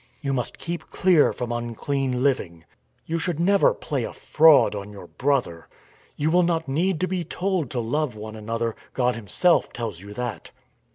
You must keep clear from unclean living. You should never play a fraud on your brother. You will not need to be told to love one another ; God Himself tells you that.